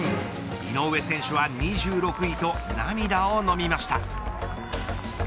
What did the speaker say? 井上選手は２６位と涙を飲みました。